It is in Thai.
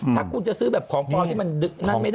ถ้าคุณจะซื้อแบบของพออย่างที่มันดึกนั่นไม่ได้